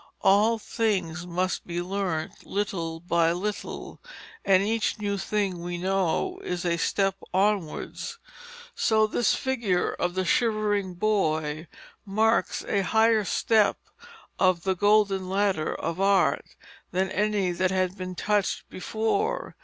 All things must be learnt little by little, and each new thing we know is a step onwards. So this figure of the shivering boy marks a higher step of the golden ladder of Art than any that had been touched before.